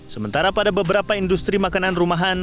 sementara pada beberapa industri makanan rumahan